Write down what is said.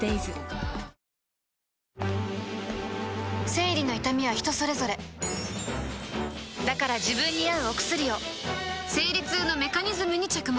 生理の痛みは人それぞれだから自分に合うお薬を生理痛のメカニズムに着目